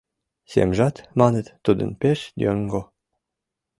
Семжат, маныт, тудын пеш йоҥго